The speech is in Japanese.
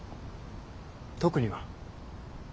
特には。